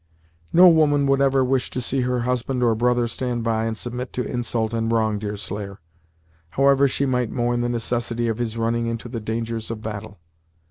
"No woman would ever wish to see her husband or brother stand by and submit to insult and wrong, Deerslayer, however she might mourn the necessity of his running into the dangers of battle.